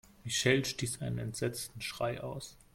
Michelle stieß einen entsetzten Schrei aus.